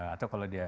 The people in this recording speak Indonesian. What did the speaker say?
atau kalau dia